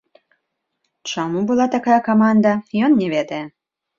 Чаму была такая каманда, ён не ведае.